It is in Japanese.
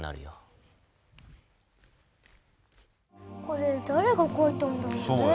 これだれがかいたんだろうね？